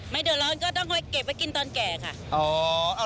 เดือดร้อนก็ต้องไปเก็บไว้กินตอนแก่ค่ะ